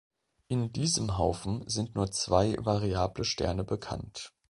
In diesem Haufen sind nur zwei variable Sterne bekannt.